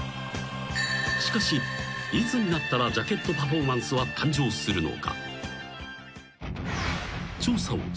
［しかしいつになったらジャケットパフォーマンスは誕生するのか？］